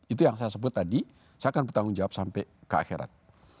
itu yang saya sebut tadi saya akan bertanggung jawab sampai ke akhirat